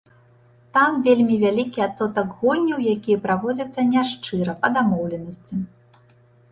Там вельмі вялікі адсотак гульняў, якія праводзяцца няшчыра, па дамоўленасці.